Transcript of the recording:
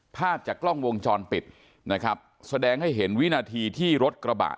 ภาพจากกล้องวงจรปิดนะครับแสดงให้เห็นวินาทีที่รถกระบะ